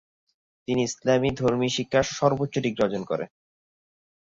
তিনি ইসলামি ধর্মীয় শিক্ষার সর্বোচ্চ ডিগ্রি অর্জন করেন।